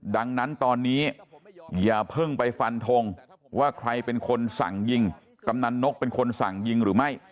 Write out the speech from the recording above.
ดังนั้นตอนนี้อย่าเพิ่งไปฟันทงว่าใครเป็นคนสั่งยิงกำนันนกเป็นคนสั่งยิงหรือไม่